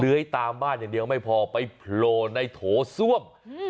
ให้ตามบ้านอย่างเดียวไม่พอไปโผล่ในโถส้วม